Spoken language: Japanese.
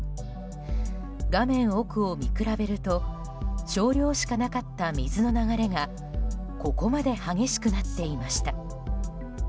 画面奥を見比べると少量しかなかった水の流れがここまで激しくなっていました。